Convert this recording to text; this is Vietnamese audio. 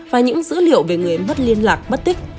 và những dữ liệu về người mất liên lạc mất tích